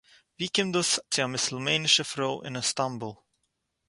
וואו קומט דאָס צו אַ מוסולמענישע פרוי אין איסטאַנבול